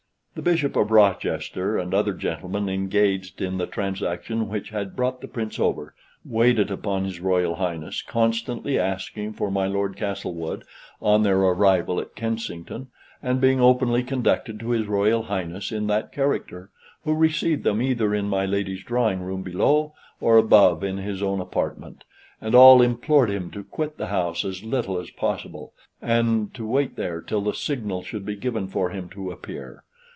The Bishop of Rochester, and other gentlemen engaged in the transaction which had brought the Prince over, waited upon his Royal Highness, constantly asking for my Lord Castlewood on their arrival at Kensington, and being openly conducted to his Royal Highness in that character, who received them either in my lady's drawing room below, or above in his own apartment; and all implored him to quit the house as little as possible, and to wait there till the signal should be given for him to appear.